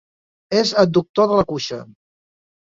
És adductor de la cuixa.